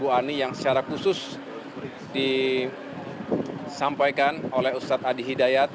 ibu ani yang secara khusus disampaikan oleh ustadz adi hidayat